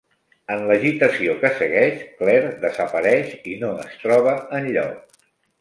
En l'agitació que segueix, Claire desapareix i no es troba enlloc.